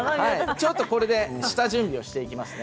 ちょっとこれで下準備をしていきますね。